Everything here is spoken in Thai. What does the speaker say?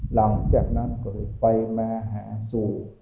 หลังจากนั้นก็เลยไปมาหาสู่